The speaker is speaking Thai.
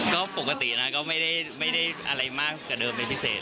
ก็ปกตินะก็ไม่ได้อะไรมากกว่าเดิมเป็นพิเศษ